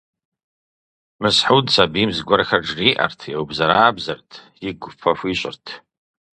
Мысхьуд сабийм зыгуэрхэр жыриӀэрт, еубзэрабзэрт, игу фӀы хуищӀырт.